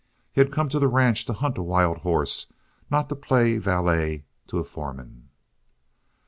He had come to the ranch to hunt a wild horse, not to play valet to a foreman.